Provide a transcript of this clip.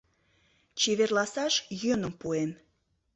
Чеверласаш йӧным пуэм.